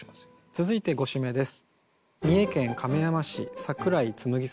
続いて５首目です。